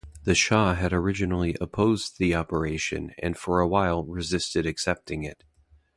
The Shah had originally opposed the operation and for a while resisted accepting it.